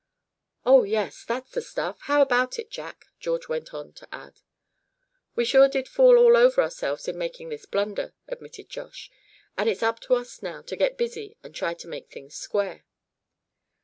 "Oh! yes, that's the stuff; how about it, Jack?" George went on to add. "We sure did fall all over ourselves in making this blunder," admitted Josh, "and it's up to us now to get busy and try to make things square."